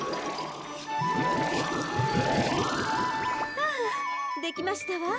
ふうできましたわ。